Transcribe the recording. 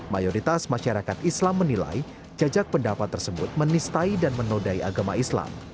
mayoritas masyarakat islam menilai jajak pendapat tersebut menistai dan menodai agama islam